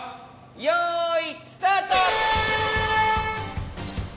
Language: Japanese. よいスタート！